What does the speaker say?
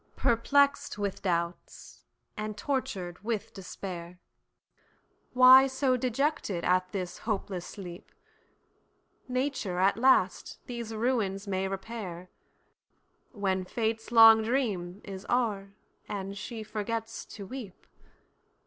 Perplex'd with doubts, and tortured with despair, Why so dejected at this hopeless sleep? Nature at last these ruins may repair, When fate's long dream is o'er, and she forgets to weep.